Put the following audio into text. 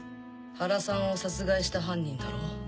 原さんを殺害した犯人だろ？